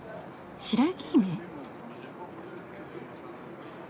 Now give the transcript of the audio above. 白雪姫？